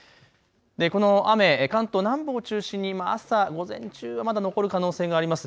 この雨、関東南部を中心に朝午前中はまだ残る可能性があります。